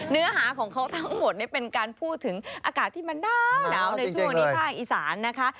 เนื้อหาของเขาทั้งหมดเป็นการพูดถึงอากาศที่มันหนาวในช่วงวันนี้ภาคอีสานนะคะ